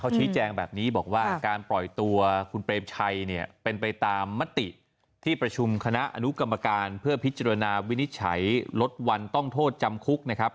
ชี้แจงแบบนี้บอกว่าการปล่อยตัวคุณเปรมชัยเนี่ยเป็นไปตามมติที่ประชุมคณะอนุกรรมการเพื่อพิจารณาวินิจฉัยลดวันต้องโทษจำคุกนะครับ